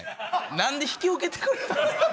何で引き受けてくれたんすか